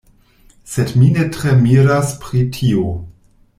Sed mi ne tre miras pri tio.